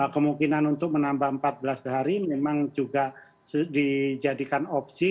kemungkinan untuk menambah empat belas hari memang juga dijadikan opsi